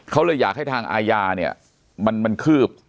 เขาเลยอยากให้ทางอาญาเนี่ยมันคืบ